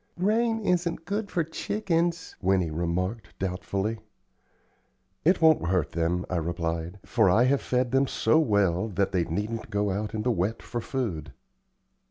"Rain isn't good for chickens," Winnie remarked, doubtfully. "It won't hurt them," I replied, "for I have fed them so well that they needn't go out in the wet for food."